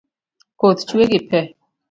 Koth chwe gi pee.